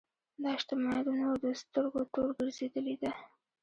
دا شتمنۍ د نورو د سترګو تور ګرځېدلې ده.